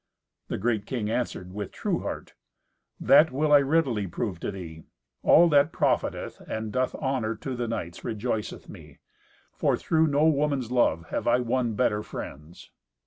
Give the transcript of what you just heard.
The great king answered with true heart, "That will I readily prove to thee. All that profiteth and doth honour to the knights rejoiceth me, for through no woman's love have I won better friends."